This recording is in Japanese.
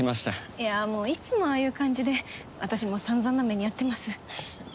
いやもういつもああいう感じで私もさんざんな目に遭ってます。